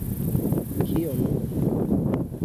Kio nun?